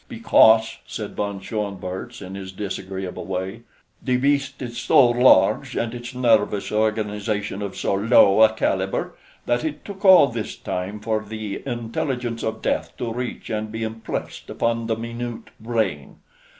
"Because," said von Schoenvorts in his disagreeable way, "the beast is so large, and its nervous organization of so low a caliber, that it took all this time for the intelligence of death to reach and be impressed upon the minute brain.